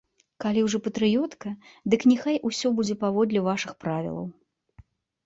Калі ўжо патрыётка, дык няхай усё будзе паводле вашых правілаў.